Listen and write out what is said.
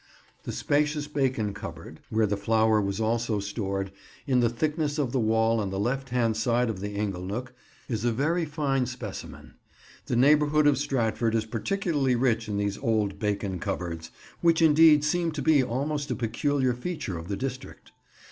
The spacious bacon cupboard, where the flour was also stored, in the thickness of the wall on the left hand side of the ingle nook, is a very fine specimen. The neighbourhood of Stratford is particularly rich in these old bacon cupboards, which indeed seem to be almost a peculiar feature of the district.